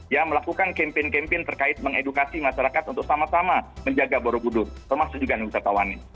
ya melakukan campaign campaign terkait mengedukasi masyarakat untuk sama sama menjaga borobudur termasuk juga wisatawannya